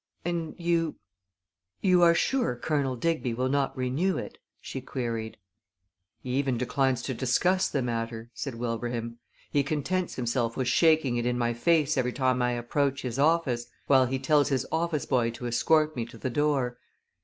"And you you are sure Colonel Digby will not renew it?" she queried. "He even declines to discuss the matter," said Wilbraham. "He contents himself with shaking it in my face every time I approach his office, while he tells his office boy to escort me to the door.